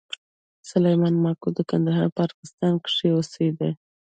سلېمان ماکو د کندهار په ارغسان کښي اوسېدئ.